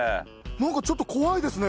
なんかちょっと怖いですね